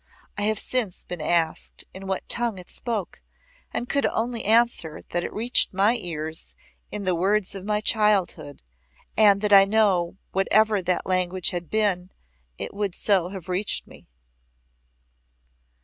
I have since been asked in what tongue it spoke and could only answer that it reached my ears in the words of my childhood, and that I know whatever that language had been it would so have reached me.